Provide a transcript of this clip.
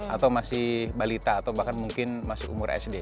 atau masih balita atau bahkan mungkin masih umur sd